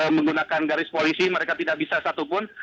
menggunakan garis polisi mereka tidak bisa satupun